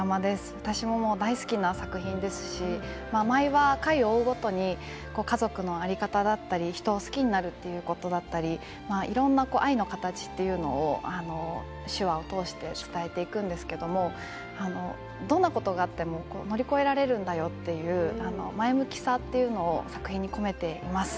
私も大好きな作品ですし毎話は回を追うごとに家族の在り方だったり人を好きになるということだったりいろんな愛の形というのを手話を通して伝えていくんですけどどんなことがあっても乗り越えられるんだよという前向きさというのを作品に込めています。